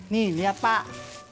nih lihat pak